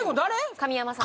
神山さん